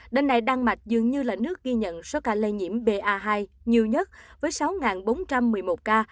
đêm nay đan mạch dường như là nước ghi nhận số ca lây nhiễm ba hai nhiều nhất với sáu bốn trăm một mươi một ca